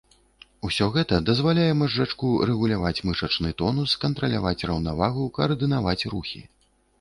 Усё гэта дазваляе мазжачку рэгуляваць мышачны тонус, кантраляваць раўнавагу, каардынаваць рухі.